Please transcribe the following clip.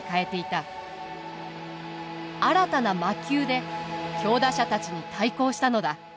新たな魔球で強打者たちに対抗したのだ。